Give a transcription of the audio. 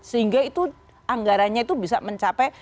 sehingga itu anggarannya itu bisa mencapai